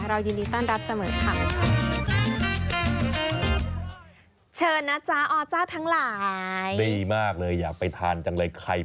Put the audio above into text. เรายินดีต้อนรับเสมอค่ะ